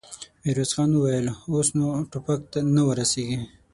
ميرويس خان وويل: اوس نو ټوپک نه ور رسېږي.